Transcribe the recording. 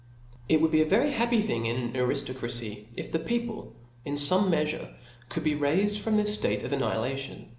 *. It would be a very happy thing in an arifto cracy, if the people in fome meafure, could be l aifed from their ftate of annihilation.